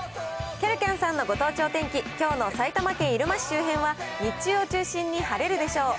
きゃるきゃんさんのご当地お天気、きょうの埼玉県入間市周辺は、日中を中心に晴れるでしょう。